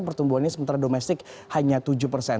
pertumbuhan ini sementara domestik hanya tujuh persen